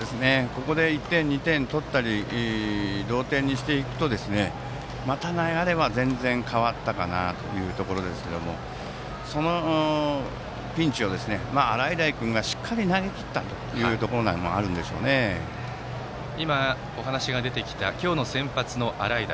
ここで１点、２点取ったり同点にしていくとまた流れが全然変わったかなということですがそのピンチを洗平君がしっかり投げきったところが今、お話に出てきた今日の先発の洗平。